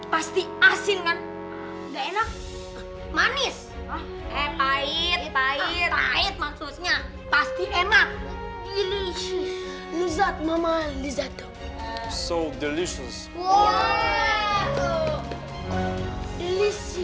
pasti asin kan enak manis pahit pahit maksudnya pasti enak